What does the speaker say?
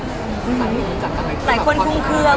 หลายคนคลุมเคลือว์